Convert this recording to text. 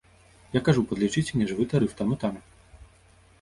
Я кажу, падлічыце мне жывы тарыф там і там.